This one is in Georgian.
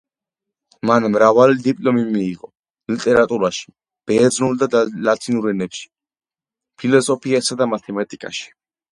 მან მრავალი დიპლომი მიიღო: ლიტერატურაში, ბერძნულ და ლათინურ ენებში, ფილოსოფიასა და მათემატიკაში.